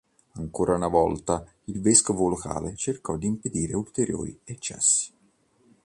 Ancora una volta il vescovo locale cercò di impedire ulteriori eccessi.